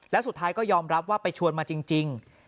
แล้วสุดท้ายก็ยอมรับว่าไปชวนมาจริง